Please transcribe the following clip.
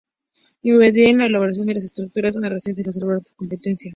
Intervenir en la elaboración de las estructuras arancelarias en las áreas de su competencia.